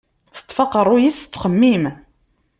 Teṭṭef aqerruy-is tettxemmim.